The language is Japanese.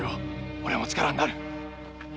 俺も力になる。